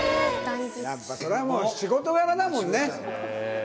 やっぱそれはもう仕事柄だもんね！